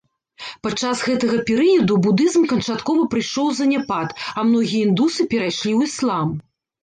Падчас гэтага перыяду будызм канчаткова прыйшоў у заняпад, а многія індусы перайшлі ў іслам.